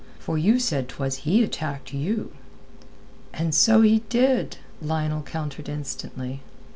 For you said 'twas he attacked you." "And so he did." Lionel countered instantly.